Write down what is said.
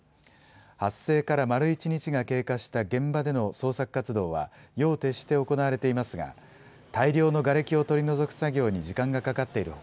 発生から丸１日が経過した現場での捜索活動は、夜を徹して行われていますが、大量のがれきを取り除く作業に時間がかかっているほ